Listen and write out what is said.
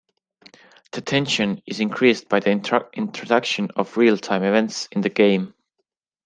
The tension is increased by the introduction of real-time events in the game.